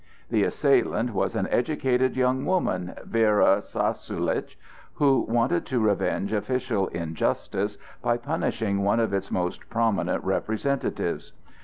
The assailant was an educated young woman, Vera Sassoulitch, who wanted to revenge official injustice by punishing one of its most prominent representatives.